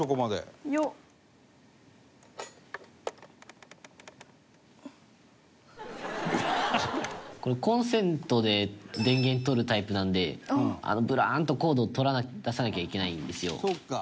隆貴君：これ、コンセントで電源取るタイプなんでぶらーんと、コードを出さなきゃいけないんですよ。